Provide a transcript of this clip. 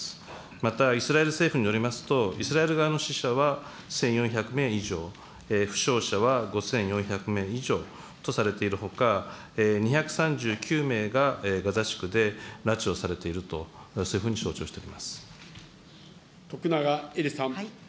またイスラエル政府によりますと、イスラエル側の死者は１４００名以上、負傷者は５４００名以上とされているほか、２３９名がガザ地区で拉致をされていると、そう徳永エリさん。